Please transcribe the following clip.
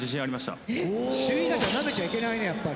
首位打者なめちゃいけないねやっぱり。